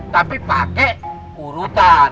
tapi pakai urutan